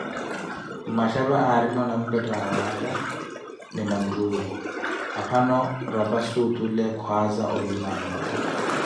Mmaxapa aarimo nanpette awaatta ni maatuwi, aphano rapazi otule kwhaza olimamo.